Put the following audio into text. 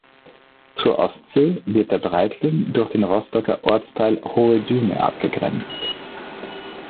Zur Ostsee wird der Breitling durch den Rostocker Ortsteil Hohe Düne abgegrenzt.